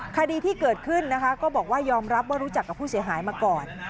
คดีที่เกิดขึ้นนะคะก็บอกว่ายอมรับว่ารู้จักกับผู้เสียหายมาก่อน